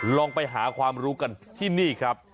ลองไปหาความรู้กันที่นี่ครับ